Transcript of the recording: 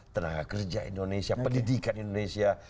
tenaga kerja indonesia pendidikan indonesia